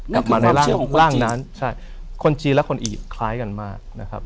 กลับมาในร่างนั้นใช่คนจีนและคนอีกคล้ายกันมากนะครับ